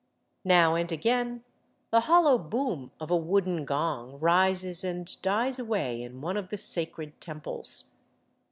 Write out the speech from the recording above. Now and again the hollow boom of a wooden gong rises and dies away in one of the sacred temples.